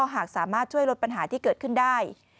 หากสามารถช่วยลดปัญหาที่เกิดขึ้นได้